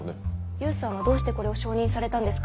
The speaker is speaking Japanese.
勇さんはどうしてこれを承認されたんですか？